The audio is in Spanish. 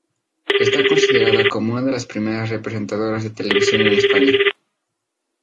Está considerada como una de las primeras presentadoras de televisión en España.